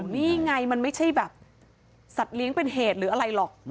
นี่ไงมันไม่ใช่แบบสัตว์เลี้ยงเป็นเหตุหรืออะไรหรอก